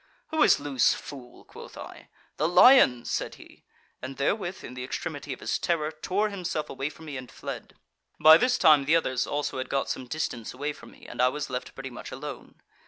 "'Who is loose, fool?' quoth I. 'The lion,' said he, and therewith in the extremity of his terror tore himself away from me and fled. By this time the others also had got some distance away from me, and I was left pretty much alone.